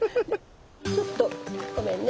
ちょっとごめんね。